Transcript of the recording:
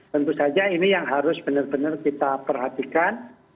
tentu saja ini yang harus benar benar kita perhatikan